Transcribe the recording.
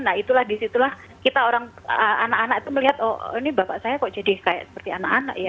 nah itulah disitulah kita orang anak anak itu melihat oh ini bapak saya kok jadi kayak seperti anak anak ya